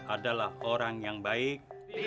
adalah orang yang baik